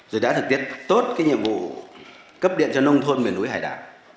rồi đã thực hiện tốt cái nhiệm vụ cấp điện cho nông thôn miền núi hải đảo